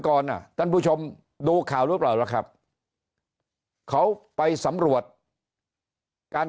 ก่อนอ่ะท่านผู้ชมดูข่าวหรือเปล่าล่ะครับเขาไปสำรวจการ